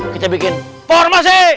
kita bikin formasi